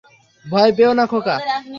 ভয় পেয়ো না, খোকা!